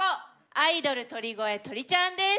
アイドル鳥越鳥ちゃんです！